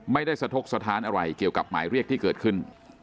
ไม่ได้สะทกสถานอะไรเกี่ยวกับหมายเรียกที่เกิดขึ้น